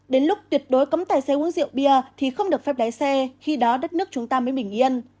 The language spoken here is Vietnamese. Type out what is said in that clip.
đến lúc tuyệt đối cấm tài xế uống rượu bia thì không được phép lái xe khi đó đất nước chúng ta mới bình yên